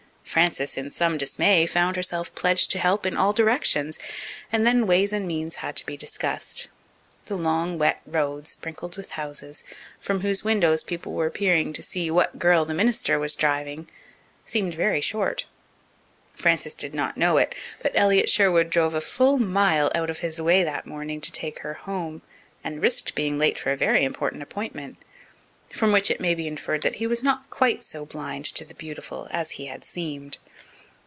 Frances, in some dismay, found herself pledged to help in all directions, and then ways and means had to be discussed. The long, wet road, sprinkled with houses, from whose windows people were peering to see "what girl the minister was driving," seemed very short. Frances did not know it, but Elliott Sherwood drove a full mile out of his way that morning to take her home, and risked being late for a very important appointment from which it may be inferred that he was not quite so blind to the beautiful as he had seemed.